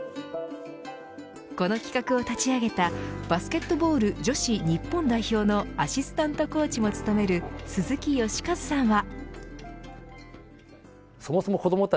この企画を立ち上げたバスケットボール女子日本代表のアシスタントコーチも務める鈴木良和さんは。